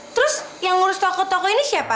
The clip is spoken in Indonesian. terus yang ngurus toko toko ini siapa